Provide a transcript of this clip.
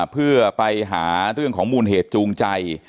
เพื่อไปหาเรื่องของมูลเหตุจูงใจ